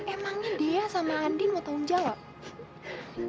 emangnya dia sama andin mau tanggung jawab